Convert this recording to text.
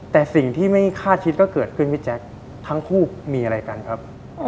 แต่สิ่งที่ไม่คาดคิดก็เกิดขึ้นพี่แจ๊คทั้งคู่มีอะไรกันครับ